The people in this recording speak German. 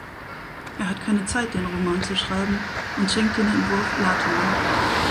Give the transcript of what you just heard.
Er hat keine Zeit, den Roman zu schreiben, und schenkt den Entwurf Latimer.